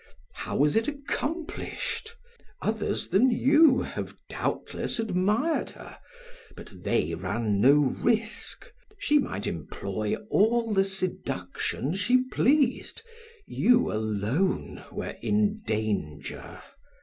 "How was it accomplished? Others than you have doubtless admired her, but they ran no risk. She might employ all the seduction she pleased; you alone were in danger.